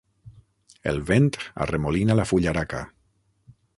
El vent arremolina la fullaraca.